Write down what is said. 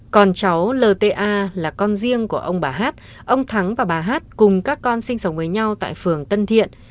còn cháu lta là con riêng của ông bà hát ông thắng và bà hát cùng các con sinh sống với nhau tại phường tân thiện